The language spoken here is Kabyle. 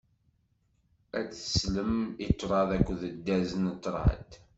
Ad teslem i ṭṭrad akked dderz n ṭṭrad.